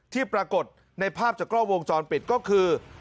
ที่ปรากฏในภาพจากกล้องวงจรปิดก็คือ